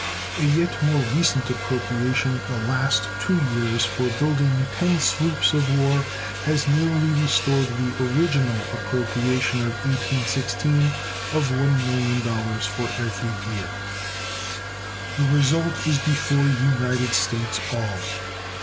A yet more recent appropriation the last two years, for building ten sloops of war, has nearly restored the original appropriation of 1816 of $1,000,000 for every year. The result is before United States all.